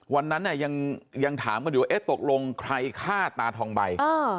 วันนั้นยังถามกันอยู่ว่าเอ๊ะตกลงใครฆ่าตาทองใบ